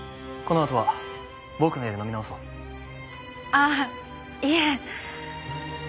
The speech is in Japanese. ああいえ。